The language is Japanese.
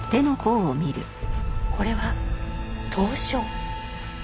これは凍傷？